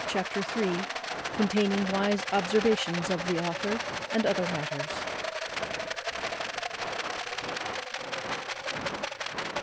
Chapter iii. _Containing wise observations of the author, and other matters.